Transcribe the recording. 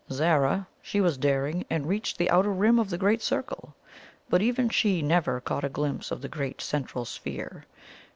Zara she was daring, and reached the outer rim of the Great Circle; but even she never caught a glimpse of the great Central Sphere.